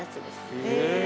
へえ。